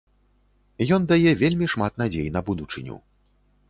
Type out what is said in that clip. Ён дае вельмі шмат надзей на будучыню.